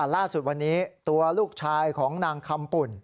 ล่าสุดวันนี้ตัวลูกชายของนางคำปุ่น